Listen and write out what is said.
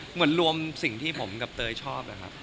เหมือนรวมสิ่งที่ผมกับเตยชอบนะครับ